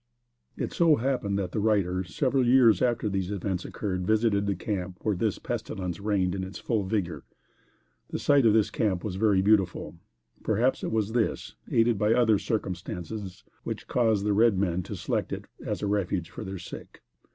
It so happened that the writer, several years after these events occurred, visited the camp where this pestilence reigned in its full vigor. The site of this camp was very beautiful. Perhaps it was this, aided by other circumstances, which caused the red men to select it as a refuge for their sick.